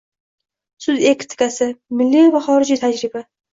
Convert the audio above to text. Sud etikasi: milliy va xorijiy tajribang